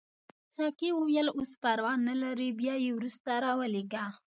ساقي وویل اوس پروا نه لري بیا یې وروسته راولېږه.